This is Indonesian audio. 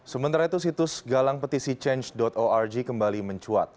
sementara itu situs galangpetisichange org kembali mencuat